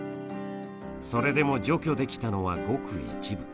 それでも除去できたのはごく一部。